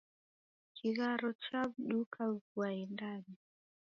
kigharo chaw'uduka vua yendenya